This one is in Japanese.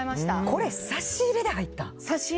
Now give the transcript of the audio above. これ、差し入れで入ったん？